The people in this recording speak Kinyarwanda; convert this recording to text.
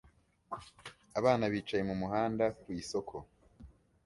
Abana bicaye mumuhanda ku isoko